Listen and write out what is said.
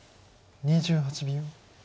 ２８秒。